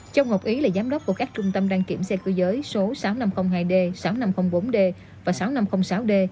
châu ngọc ý là giám đốc của các trung tâm đăng kiểm xe cơ giới số sáu nghìn năm trăm linh hai d sáu nghìn năm trăm linh bốn d và sáu nghìn năm trăm linh sáu d